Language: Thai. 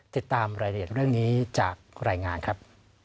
ติดตามรายละเอียดเรื่องนี้จากรายงานครับ